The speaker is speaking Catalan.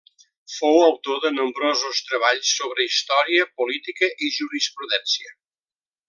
Fou autor de nombrosos treballs sobre història, política i jurisprudència.